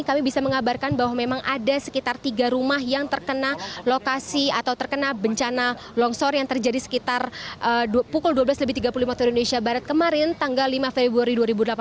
saya mengabarkan bahwa memang ada sekitar tiga rumah yang terkena lokasi atau terkena bencana longsor yang terjadi sekitar pukul dua belas tiga puluh pm kemarin tanggal lima februari dua ribu delapan belas